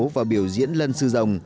và biểu diễn lân sư rồng